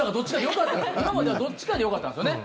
今まではどっちかでよかったんですよね。